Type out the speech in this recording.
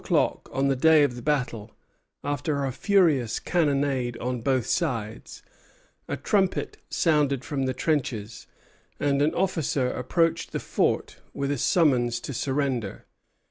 At four o'clock on the day of the battle, after a furious cannonade on both sides, a trumpet sounded from the trenches, and an officer approached the fort with a summons to surrender.